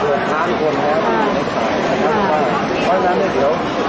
ขอบคุณมาก